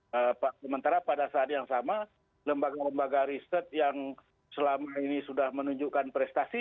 sementara pada saat yang sama lembaga lembaga riset yang selama ini sudah menunjukkan prestasi